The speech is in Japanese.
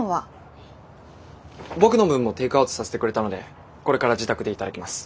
僕の分もテイクアウトさせてくれたのでこれから自宅で頂きます。